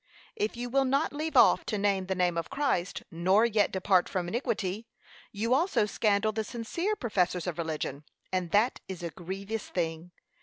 If you will not leave off to name the name of Christ, nor yet depart from iniquity, you also scandal the sincere professors of religion, and that is a grievous thing.